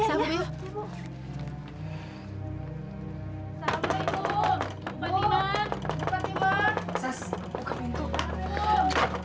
assalamu'alaikum bupati mah